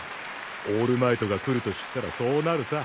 オールマイトが来ると知ったらそうなるさ。